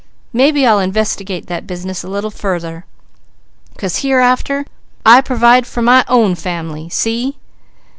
Mebby I'll investigate that business a little further, 'cause hereafter I provide for my own family. See?